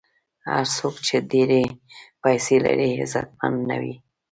هر څوک چې ډېرې پیسې لري، عزتمن نه وي.